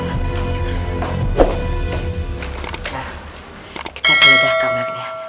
nah kita peledah kamarnya